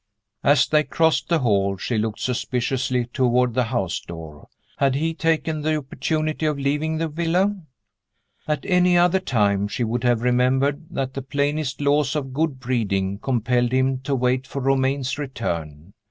As they crossed the hall, she looked suspiciously toward the house door. Had he taken the opportunity of leaving the villa? At any other time she would have remembered that the plainest laws of good breeding compelled him to wait for Romayne's return.